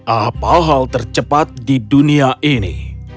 apa hal tercepat di dunia ini